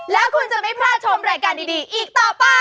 แล้วคุณจะไม่พลาดชมรายการดีอีกต่อไป